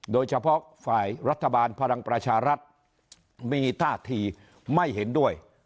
โดยเฉพาะฝ่ายรัฐบาลพลังประชารัฐมีท่าทีไม่เห็นด้วย